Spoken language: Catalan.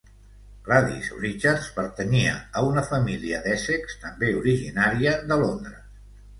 Gladys Richards pertanyia a una família d'Essex també originària de Londres.